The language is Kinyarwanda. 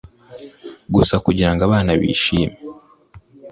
gusa kugirango abana bishime